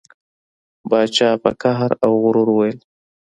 پاچا په قهر او غرور وویل.